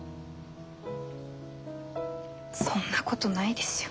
そんなことないですよ。